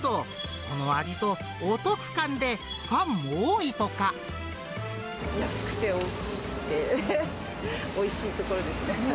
この味とお得感でファンも多いとか。安くて大きくておいしいところですね。